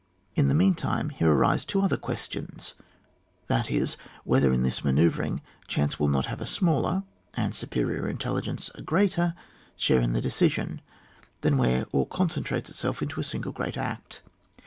In the meantime, here arise two other questions, tliat is, whether in this manoeuvring, chance will not have a smaller, and superior intelligence a greater, share in the decision, than where all concentrates itself into one single great act.